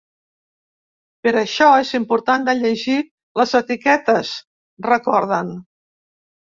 Per això és important de llegir les etiquetes, recorden.